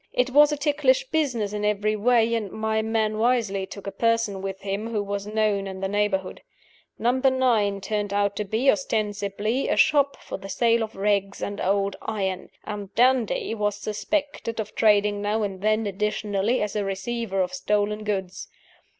It was a ticklish business in every way; and my man wisely took a person with him who was known in the neighborhood. 'Number Nine' turned out to be (ostensibly) a shop for the sale of rags and old iron; and 'Dandie' was suspected of trading now and then, additionally, as a receiver of stolen goods.